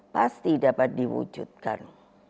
pasti dapat diwujudkan